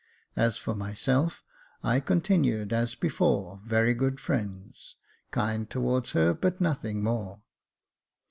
As for myself, I continued, as before, very good friends, kind towards her, but nothing more.